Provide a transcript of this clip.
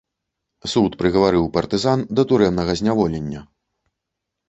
Суд прыгаварыў партызан да турэмнага зняволення.